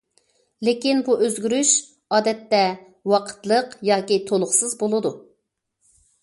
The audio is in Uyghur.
لېكىن بۇ ئۆزگىرىش، ئادەتتە، ۋاقىتلىق ياكى تولۇقسىز بولىدۇ.